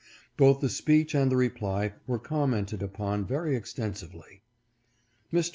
Both the speech and the reply were commented upon very extensively. Mr.